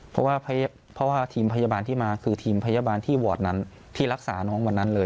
เพราะว่าเพราะว่าทีมพยาบาลที่มาคือทีมพยาบาลที่วอร์ดนั้นที่รักษาน้องวันนั้นเลย